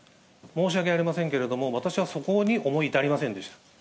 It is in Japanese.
申し訳ありませんけれども、私はそこに思い至りませんでした。